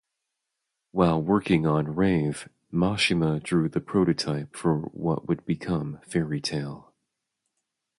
While working on "Rave", Mashima drew the prototype for what would become "Fairy Tail".